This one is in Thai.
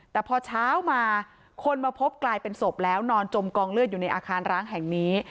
แต่พอเช้ามาคนมาพบกลายเป็นศพแล้วนอนจมกองเลือดอยู่ในอาคารร้างแห่งนี้